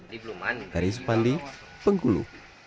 dari supandi bengkulu